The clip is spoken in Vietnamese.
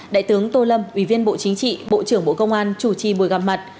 đại tướng tô lâm ủy viên bộ chính trị bộ trưởng bộ công an chủ trì buổi gặp mặt